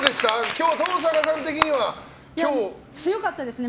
今日、登坂さん的には。強かったですね。